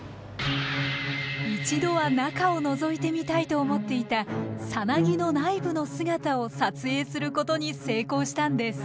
一度は中をのぞいてみたいと思っていた蛹の内部の姿を撮影することに成功したんです。